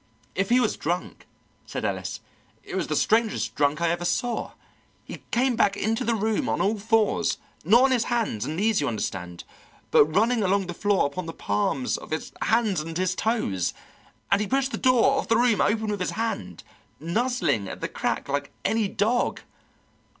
"If he was drunk," said Ellis, "it was the strangest drunk I ever saw. He came back into the room on all fours not on his hands and knees, you understand, but running along the floor upon the palms of his hands and his toes and he pushed the door of the room open with his head, nuzzling at the crack like any dog.